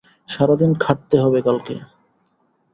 সারাদিন খাটতে হবে কালকে।